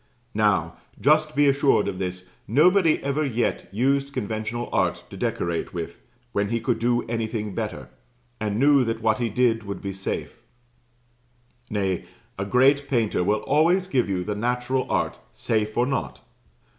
Now, just be assured of this nobody ever yet used conventional art to decorate with, when he could do anything better, and knew that what he did would be safe. Nay, a great painter will always give you the natural art, safe or not.